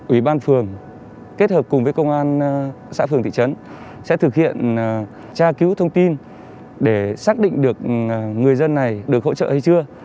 ủy ban phường kết hợp cùng với công an xã phường thị trấn sẽ thực hiện tra cứu thông tin để xác định được người dân này được hỗ trợ hay chưa